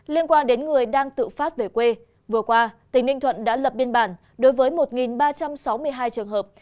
liên quan đến người đang tự phát về quê vừa qua tỉnh ninh thuận đã lập biên bản đối với một ba trăm sáu mươi hai trường hợp